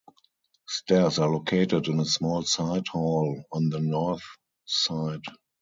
Stairs are located in a small side hall on the north side.